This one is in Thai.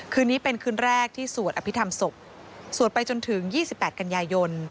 คืนนี้เป็นคืนแรกที่สวดอภิษฐรรมศพสวดไปจนถึง๒๘กันยายน